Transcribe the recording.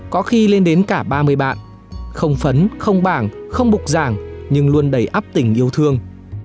có khi lên đến cả ba mươi bạn không phấn không bảng không bục giảng nhưng luôn đầy ấp tình yêu thương